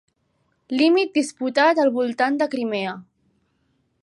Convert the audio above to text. Límit disputat al voltant de Crimea.